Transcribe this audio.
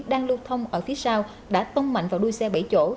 đang lưu thông ở phía sau đã tông mạnh vào đuôi xe bảy chỗ